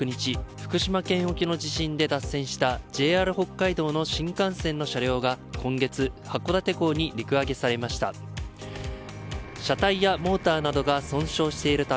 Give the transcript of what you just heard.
福島県沖の地震で脱線したＪＲ北海道の新幹線の車両が今月、函館港に陸揚げされました。